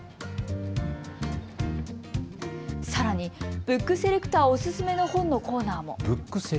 さらにブックセレクターお勧めの本のコーナーも。